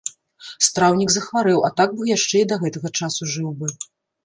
Страўнік захварэў, а так бы яшчэ і да гэтага часу жыў бы.